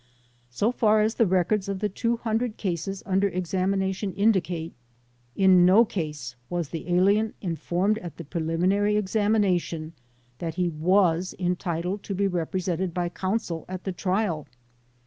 So far as the records of the two hundred cases under examination indicate, in no case was the alien informed at the preliminary examination that he was entitled to be represented by counsel at the trial.